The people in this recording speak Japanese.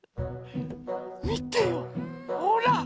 みてよほら！